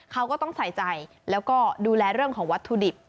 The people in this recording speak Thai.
เขาก็ต้องใส่ใจแล้วก็ดูแลเรื่องของวัตถุดิบ